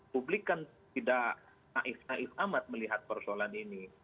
publik kan tidak naif naif amat melihat persoalan ini